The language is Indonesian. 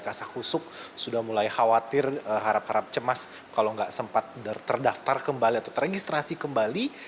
mulai kasah kusuk sudah mulai khawatir harap harap cemas kalau nggak sempat terdaftar kembali atau terregistrasi kembali